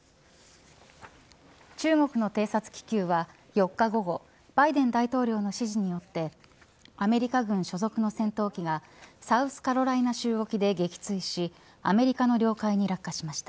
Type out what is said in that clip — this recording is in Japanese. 中国の偵察気球は４日午後バイデン大統領の指示によってアメリカ軍所属の戦闘機がサウスカロライナ州沖で撃墜しアメリカの領海に落下しました。